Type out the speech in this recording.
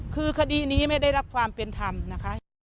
คือคดีนี้ไม่ได้รับความเป็นธรรมนะคะ